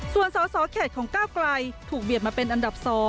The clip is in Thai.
ส่วนสสเขตของก้าวไกลถูกเบียดมาเป็นอันดับ๒